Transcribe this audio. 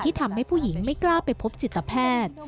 ทำให้ผู้หญิงไม่กล้าไปพบจิตแพทย์